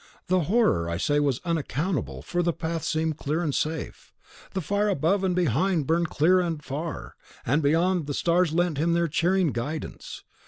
The horror, I say, was unaccountable, for the path seemed clear and safe. The fire, above and behind, burned clear and far; and beyond, the stars lent him their cheering guidance.